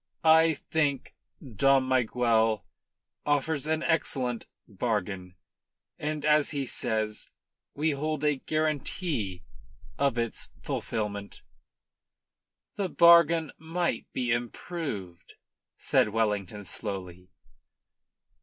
"I think Dom Miguel offers an excellent bargain. And, as he says, we hold a guarantee of its fulfilment." "The bargain might be improved," said Wellington slowly.